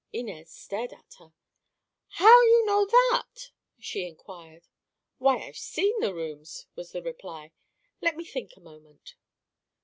Inez stared at her. "How you know that?" she inquired. "Why, I've seen the rooms," was the reply. "Let me think a moment."